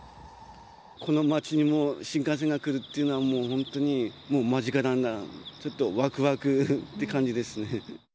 この町にも新幹線が来るっていうのは、もう本当に、もう間近なんだな、ちょっとわくわくって感じですね。